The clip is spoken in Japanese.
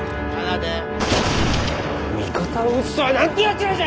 味方を撃つとはなんてやつらじゃ！